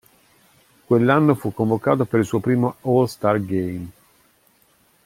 Quell'anno fu convocato per il suo primo All-Star Game.